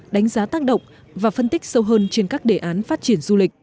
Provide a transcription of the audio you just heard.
đánh giá tác động và phân tích sâu hơn trên các đề án phát triển du lịch